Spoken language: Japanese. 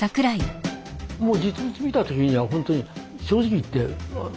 もう実物見た時には本当に正直言って不安が。